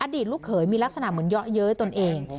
ตลูกเขยมีลักษณะเหมือนเยาะเย้ยตนเอง